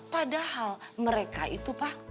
padahal mereka itu pa